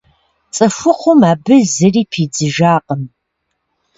ЦӀыхухъум абы зыри пидзыжакъым.